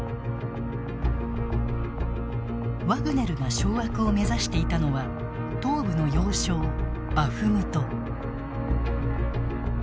ワグネルが掌握を目指していたのは東部の要衝バフムト。